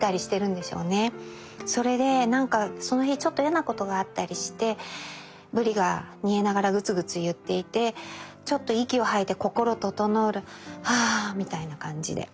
それでなんかその日ちょっと嫌なことがあったりして鰤が煮えながらグツグツいっていてちょっと息を吐いて心ととのふるあみたいな感じで。